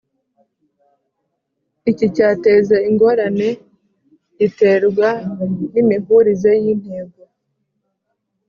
Iki cyateza ingorane giterwa n imihurize y intego